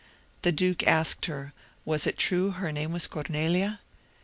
The duke asked her, was it true her name was Cornelia?